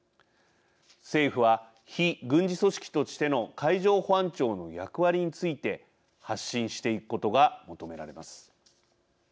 政府は非軍事組織としての海上保安庁の役割について発信していくことが求められます。